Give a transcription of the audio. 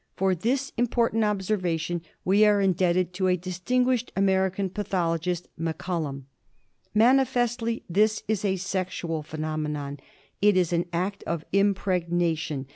For this important observation we are indebted to a dis tinguished American pathologist — Mac Galium. ^Manifestly this is a sexual phenomenon ; it is an act of impregnation.